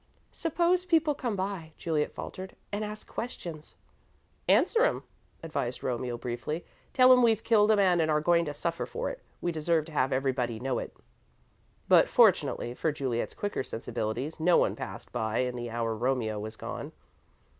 "Suppose people come by " Juliet faltered; "and ask questions." "Answer 'em," advised Romeo, briefly. "Tell 'em we've killed a man and are going to suffer for it. We deserve to have everybody know it." But, fortunately for Juliet's quicker sensibilities, no one passed by in the hour Romeo was gone.